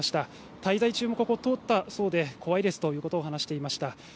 滞在中もここを通ったそうで、怖いですということを話していました。